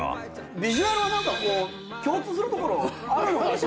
ビジュアルは何か共通するところあるのかしら。